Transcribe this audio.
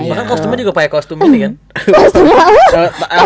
makan kostumnya juga pake kostum ini kan